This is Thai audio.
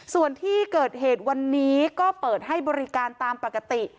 ส่วนที่เกิดเหตุวันนี้ก็เปิดให้บริการตามปกติ